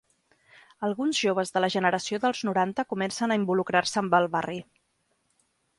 Alguns joves de la generació dels noranta comencen a involucrar-se amb el barri.